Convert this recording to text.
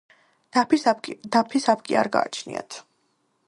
დაფის აპკი არ გააჩნიათ.